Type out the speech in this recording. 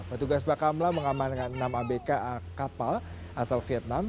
petugas bakamla mengamankan enam abk kapal asal vietnam